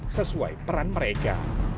sesuai peran mereka